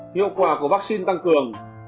hiệu quả của vắc xin tăng cường